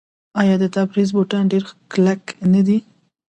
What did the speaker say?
آیا د تبریز بوټان ډیر کلک نه دي؟